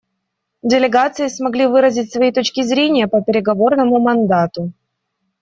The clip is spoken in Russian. Делегации смогли выразить свои точки зрения по переговорному мандату.